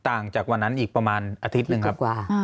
ต่างจากวันนั้นอีกประมาณอาทิตย์หนึ่งครับ